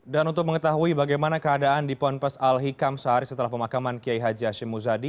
dan untuk mengetahui bagaimana keadaan di pompos al hikam sehari setelah pemakaman kiai hashim muzadi